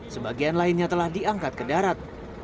sebagian lainnya telah diangkat ke darat